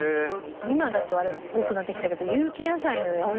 今だと多くなってきたけど。